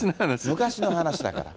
昔の話だから。